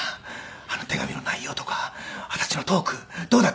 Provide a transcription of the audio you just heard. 「あの手紙の内容とか私のトークどうだった？」。